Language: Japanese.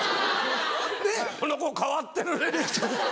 この子変わってるね。でしょ。